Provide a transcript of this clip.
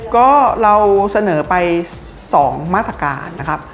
ก็เราเสนอไป๒มาตรการนะครับ